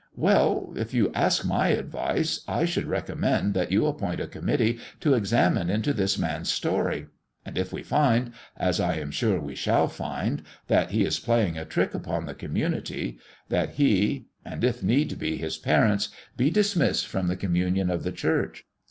"Well, if you ask my advice, I should recommend that you appoint a committee to examine into this man's story; and if we find as I am sure we shall find that he is playing a trick upon the community, that he and, if need be, his parents be dismissed from the communion of the Church."